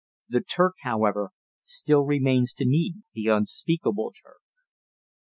The Turk, however, still remains to me the "unspeakable Turk."